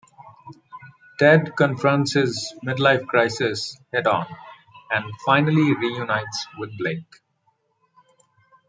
Ted confronts his midlife crisis head-on and finally reunites with Blake.